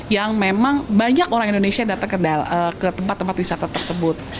yang memang banyak orang indonesia datang ke tempat tempat wisata tersebut